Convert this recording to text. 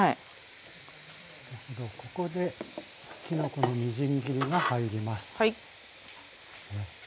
ここできのこのみじん切りが入ります。